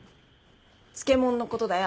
漬物のことだよ。